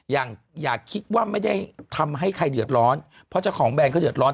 อย่าคิดว่าไม่ได้ทำให้ใครเดือดร้อนเพราะเจ้าของแบรนดเขาเดือดร้อน